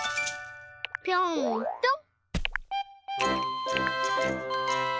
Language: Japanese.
ぴょんぴょん。